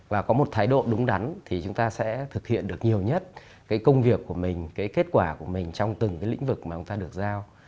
và có một thái độ đúng đắn thì chúng ta sẽ thực hiện được nhiều nhất cái công việc của mình cái kết quả của mình trong từng cái lĩnh vực mà chúng ta được giao